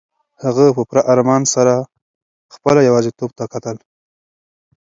هغه په پوره ارمان سره خپله یوازیتوب ته کتل.